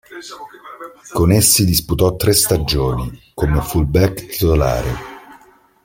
Con essi disputò tre stagioni come fullback titolare.